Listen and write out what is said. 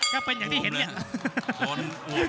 ก็เป็นอย่างที่เห็นเนี่ย